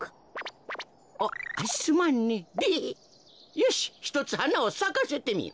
よしひとつはなをさかせてみよ。